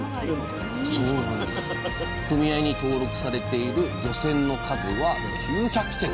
組合に登録されている漁船の数は９００隻。